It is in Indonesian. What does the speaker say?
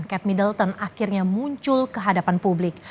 cat middleton akhirnya muncul ke hadapan publik